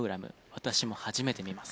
私も初めて見ます。